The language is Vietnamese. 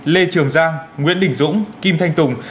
lê trường giang nguyễn đình dũng kim thanh tùng